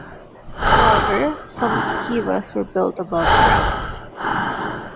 However, some kivas were built above ground.